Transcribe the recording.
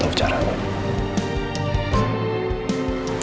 tapi gue gak tahu